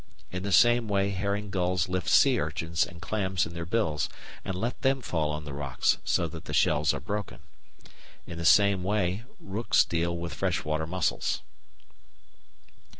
In the same way herring gulls lift sea urchins and clams in their bills, and let them fall on the rocks so that the shells are broken. In the same way rooks deal with freshwater mussels.